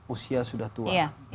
usia sudah tua